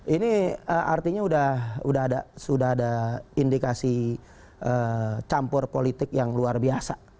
ini artinya sudah ada indikasi campur politik yang luar biasa